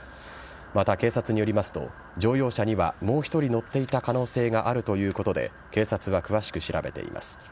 また、警察によりますと乗用車には、もう１人乗っていた可能性があるということで警察が詳しく調べています。